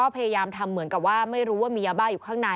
พยายามทำเหมือนกับว่าไม่รู้ว่ามียาบ้าอยู่ข้างใน